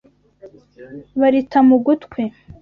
barita mu gutwi